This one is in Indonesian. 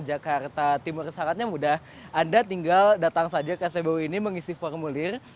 jakarta timur syaratnya mudah anda tinggal datang saja ke spbu ini mengisi formulir